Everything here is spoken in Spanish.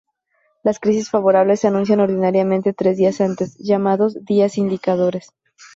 Las crisis favorables se anuncian ordinariamente tres días antes, llamados "días indicadores".